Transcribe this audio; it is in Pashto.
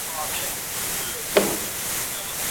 د لیکلو پر مهال باید رڼا کافي وي.